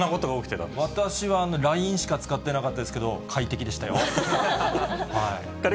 私はＬＩＮＥしか使ってなかったですけど、快適でしたよ。